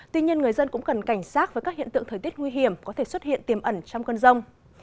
tuy nhiên người dân cũng cần cảnh sát với các hiện tượng thời tiết nguy hiểm có thể xuất hiện tiềm ẩn trong cơn rông